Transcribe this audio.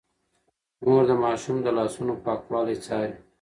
مور د ماشوم د لاسونو پاکوالی څاري.